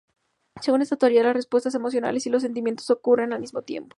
Según esta teoría, las respuestas emocionales y los sentimientos ocurren al mismo tiempo.